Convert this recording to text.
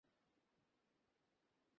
এত শীঘ্র তো নয়ই।